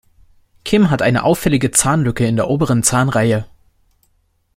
Kim hat eine auffällige Zahnlücke in der oberen Zahnreihe.